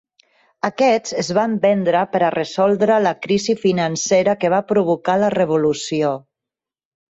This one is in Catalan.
Aquests es van vendre per a resoldre la crisi financera que va provocar la Revolució.